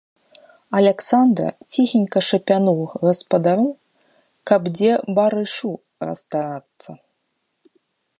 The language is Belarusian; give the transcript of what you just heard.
Аляксандра ціхенька шапянуў гаспадару, каб дзе барышу расстарацца.